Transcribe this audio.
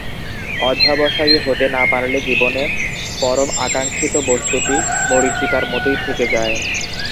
অধ্যবসায়ী হতে না পারলে জীবনে পরম আকাঙ্খিত বস্তুটি মরীচিকার মতোই থেকে যায়।